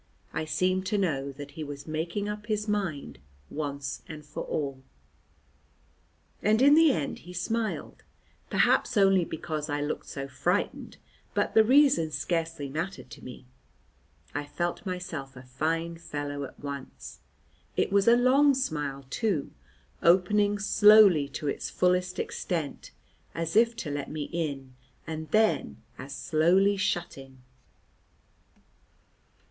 I seemed to know that he was making up his mind once and for all. And in the end he smiled, perhaps only because I looked so frightened, but the reason scarcely mattered to me, I felt myself a fine fellow at once. It was a long smile, too, opening slowly to its fullest extent (as if to let me in), and then as slowly shutting.